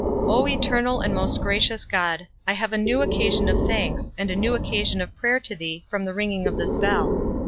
O eternal and most gracious God, I have a new occasion of thanks, and a new occasion of prayer to thee from the ringing of this bell.